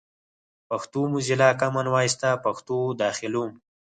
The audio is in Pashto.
پښتو موزیلا، کامن وایس ته پښتو داخلوم.